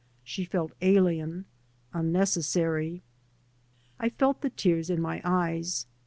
She felt alien, unnecessary. I felt the tears in my eyes.